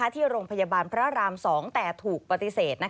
ที่โรงพยาบาลพระราม๒แต่ถูกปฏิเสธ